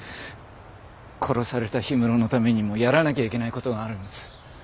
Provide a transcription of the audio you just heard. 殺された氷室のためにもやらなきゃいけない事があるんです。